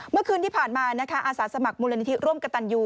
เมื่อคืนที่ผ่านมานะคะอาสาสมัครมูลนิธิร่วมกับตันยู